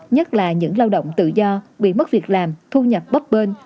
nhất là những lao động tự do bị mất việc làm thu nhập bấp bên